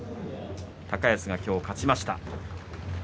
高安が今日勝ちました。